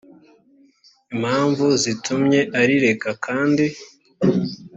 impamvu zitumye urireka kandi